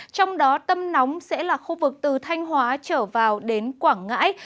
trong đó tâm nóng sẽ là khu vực từ thanh hóa trở vào đến quảng ngãi